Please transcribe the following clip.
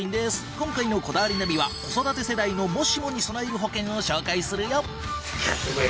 今回の『こだわりナビ』は子育て世代のもしもに備える保険を紹介するよ。